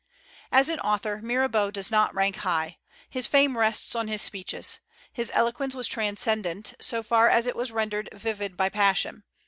As an author Mirabeau does not rank high. His fame rests on his speeches. His eloquence was transcendent, so far as it was rendered vivid by passion.